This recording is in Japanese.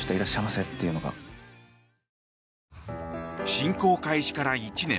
侵攻開始から１年。